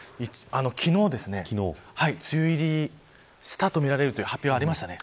昨日、梅雨入りしたとみられるという発表がありました。